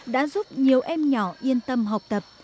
đã giúp nhiều em nhỏ yên tâm học tập